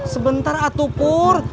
sebentar atu pur